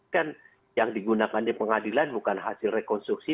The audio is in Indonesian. kan yang digunakan di pengadilan bukan hasil rekonstruksi